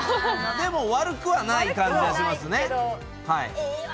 でも悪くはない感じがしますね。